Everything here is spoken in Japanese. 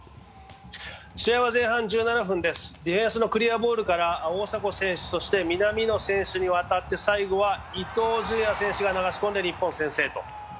試合は前半１７分、ディフェンスのクリアボールから大迫選手、そして南野選手に渡って、最後は伊東純也選手が流し込んで日本、先制と。